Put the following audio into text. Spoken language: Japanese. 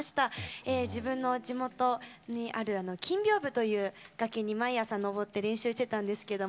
自分の地元にある金屏風という崖に毎朝登って練習してたんですけども。